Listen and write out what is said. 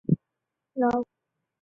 劳沙是德国图林根州的一个市镇。